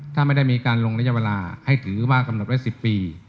ถ้าไม่ได้มีการลงระยะเวลาให้ถือว่ากำหนดไว้๑๐ปี